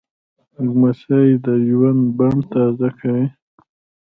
لمسی د ژوند بڼ تازه کوي.